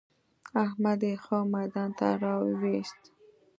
احمد يې ښه ميدان ته را ويوست.